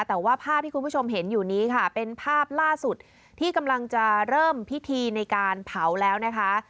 แต่ว่าภาพที่คุณผู้ชมเห็นอยู่นี้ค่ะเป็นภาพล่าสุดที่กำลังจะเริ่มพิธีในการเผาแล้วนะคะ